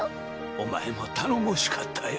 お前も頼もしかったよ